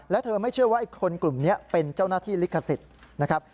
และเธอไม่เชื่อว่าไอ้คนกลุ่มนี้เป็นเจ้าหน้าที่ลิขสิทธิ์นะครับ